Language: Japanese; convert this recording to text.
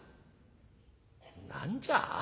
「何じゃ？